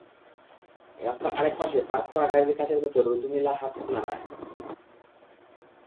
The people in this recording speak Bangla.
রাস্তার আরেক পাশে পার্ক করা গাড়ির কাচের ভেতর রুদমিলা হাত নাড়ায়।